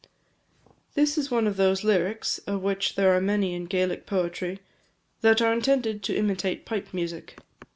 This is one of those lyrics, of which there are many in Gaelic poetry, that are intended to imitate pipe music.